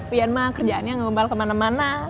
uyan mah kerjaannya ngebal kemana mana